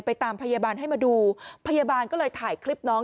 ตามพยาบาลให้มาดูพยาบาลก็เลยถ่ายคลิปน้อง